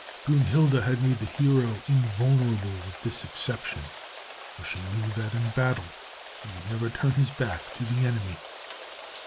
Brünnhilde had made the hero invulnerable with this exception, for she knew that in battle he would never turn his back to the enemy.